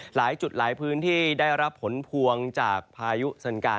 หลายจุดหลายพื้นที่ได้รับผลพวงจากพายุเซินกา